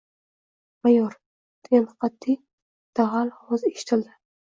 — Mayor! — degan qatiy, dag‘al ovoz eshitildi.